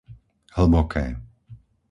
Hlboké